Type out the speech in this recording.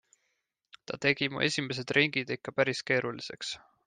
Ta tegi mu esimesed ringid ikka päris keeruliseks.